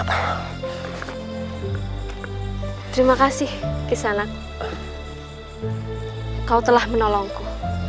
terima kasih kisana kau telah menolongku